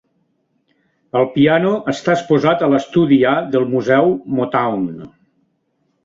El piano està exposat a l'estudi A del museu Motown.